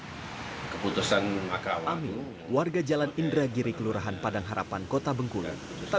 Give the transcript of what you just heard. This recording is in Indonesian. hai keputusan maka warga jalan indra giri kelurahan padang harapan kota bengkulu tak